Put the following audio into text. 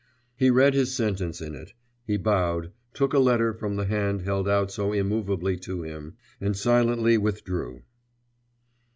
He read his sentence in it; he bowed, took a letter from the hand held out so immovably to him, and silently withdrew.